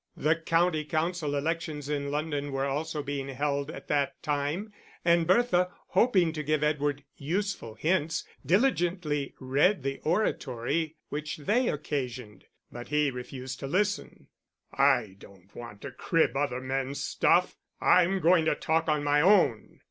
The County Council elections in London were also being held at that time, and Bertha, hoping to give Edward useful hints, diligently read the oratory which they occasioned. But he refused to listen. "I don't want to crib other men's stuff. I'm going to talk on my own."